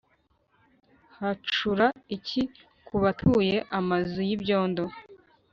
hacura iki ku batuye amazu y'ibyondo